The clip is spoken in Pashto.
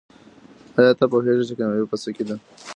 آیا ته پوهېږې چې کامیابي په څه کې ده؟